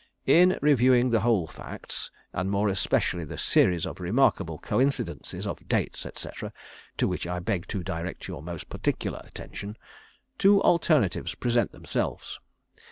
"In reviewing the whole facts, and more especially the series of remarkable coincidences of dates, &c., to which I beg to direct your most particular attention, two alternatives present themselves.